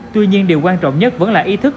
tuy nhiên điều quan trọng nhất vẫn là ý thức